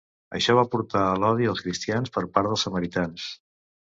Això va portar a l'odi als cristians per part dels samaritans.